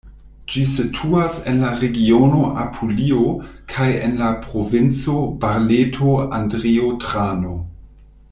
Ĝi situas en la regiono Apulio kaj en la provinco Barleto-Andrio-Trano.